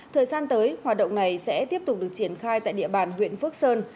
tuy nhiên hoạt động này sẽ tiếp tục được triển khai tại địa bàn huyện phước sơn